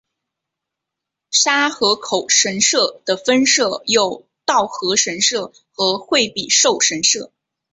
沙河口神社的分社有稻荷神社和惠比寿神社。